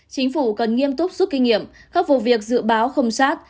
chính phủ cần nghiêm túc xuất kinh nghiệm khắc phục việc dự báo không xác